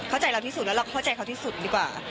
เข้าใจเราที่สุดแล้วเราเข้าใจเขาที่สุดดีกว่า